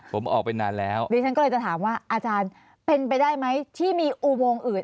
ผมออกไปนานแล้วดิฉันก็เลยจะถามว่าอาจารย์เป็นไปได้ไหมที่มีอุโมงอื่น